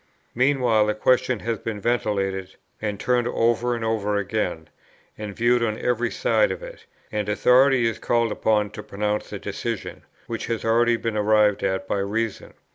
Meanwhile, the question has been ventilated and turned over and over again, and viewed on every side of it, and authority is called upon to pronounce a decision, which has already been arrived at by reason.